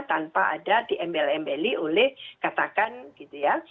tanpa ada diembel embeli oleh katakan gitu ya